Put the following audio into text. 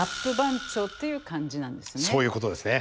そういうことですね。